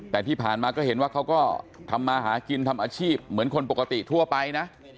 แต่ที่ผ่านมาก็เห็นว่าเขาก็ทำมาหากินทำอาชีพเหมือนคนปกติทั่วไปนะ